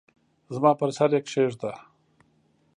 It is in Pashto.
زما پر سر یې کښېږده !